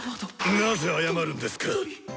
なぜ謝るんですか。